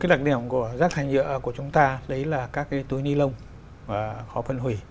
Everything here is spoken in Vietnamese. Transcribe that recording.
một đặc điểm của rác thải nhựa của chúng ta là các túi ni lông khó phân hủy